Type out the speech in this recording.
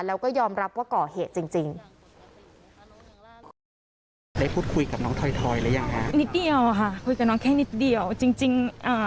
แล้วก็ยอมรับว่าก่อเหตุจริง